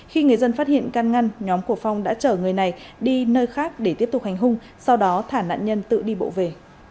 khi người dân phát hiện can ngăn nhóm của phong đã chở người này đi nơi khác để tiếp tục hành hung sau đó thả nạn nhân tự đi bộ về